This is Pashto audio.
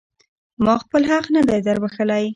ما خپل حق نه دی در بښلی.